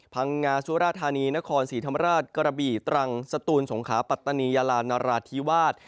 พังงาสุราธานีนครศรีธรรมราชกระบี่ตรังสตูนสงขาปัตตานียาลานราธิวาส